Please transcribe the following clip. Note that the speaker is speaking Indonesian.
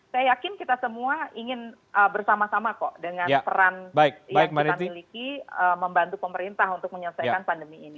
saya yakin kita semua ingin bersama sama kok dengan peran yang kita miliki membantu pemerintah untuk menyelesaikan pandemi ini